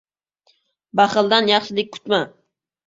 — Baxildan yaxshilik kutma.